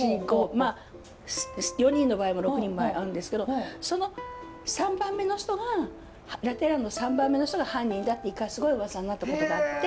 まあ４人の場合も６人の場合もあるんですけどその３番目の人がラテ欄の３番目の人が犯人だって一回すごいうわさになったことがあって。